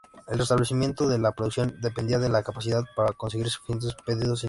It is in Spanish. El restablecimiento de la producción dependía de su capacidad para conseguir suficientes pedidos iniciales.